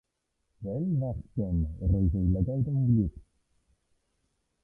“Wel, fachgen!” roedd ei lygaid yn wlyb.